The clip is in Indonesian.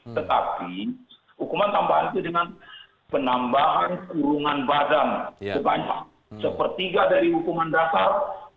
tetapi hukuman tambahan itu dengan penambahan kurungan badan sebanyak sepertiga dari hukuman dasar